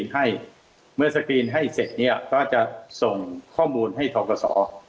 ให้เมื่อให้เสร็จเนี้ยก็จะส่งข้อมูลให้ทรกษอ